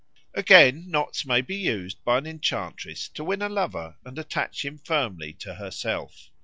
Again knots may be used by an enchantress to win a lover and attach him firmly to herself.